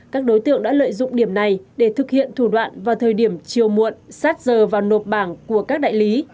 các đối tượng đã lợi dụng điểm này để thực hiện thủ đoạn vào thời điểm chiều muộn sát giờ và nộp bảng của các đại lý